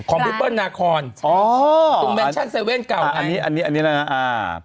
คอมพลิปเปิ้ลนาคอร์นอ๋ออันนี้อันนี้น่ะอ่า